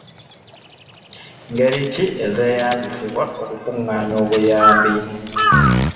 Ngeri ki ezeeyambisibwa okukungaanya obuyambi?